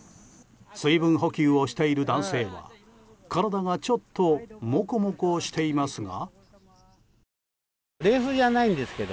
水分補給をしている男性は体がちょっともこもこしていますが。